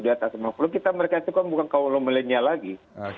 di atas sembilan puluh kita mereka itu kan bukan kaulomelenya lagi